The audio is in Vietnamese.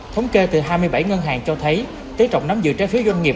thống kê từ hai mươi bảy ngân hàng cho thấy tỷ trọng nắm giữ trái phiếu doanh nghiệp